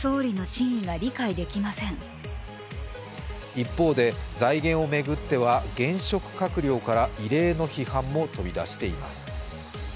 一方で財源を巡っては現職閣僚から異例の批判も飛び出しています。